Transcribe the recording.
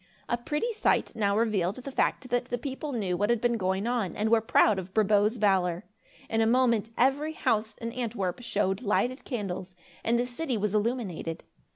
A pretty sight now revealed the fact that the people knew what had been going on and were proud of Brabo's valor. In a moment, every house in Antwerp showed lighted candles, and the city was illuminated.